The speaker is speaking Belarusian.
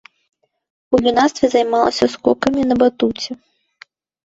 У юнацтве займалася скокамі на батуце.